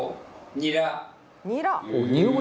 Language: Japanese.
ニラ？